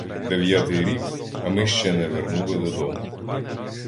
Дев'ятий рік, а ми ще не вернули додому.